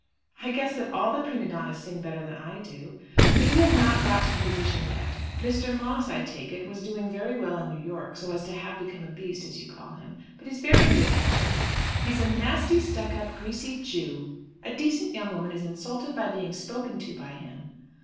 "I guess that all the prima donnas sing better than I do." "But you have not got to the position yet. Mr. Moss, I take it, was doing very well in New York, so as to have become a beast, as you call him. But he's very good natured." "He's a nasty, stuck up, greasy Jew. A decent young woman is insulted by being spoken to by him."